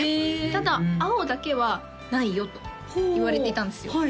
ただ青だけはないよといわれていたんですよ